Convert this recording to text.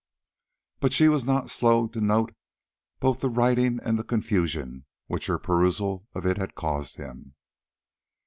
She was not slow to note both the writing and the confusion which her perusal of it caused him.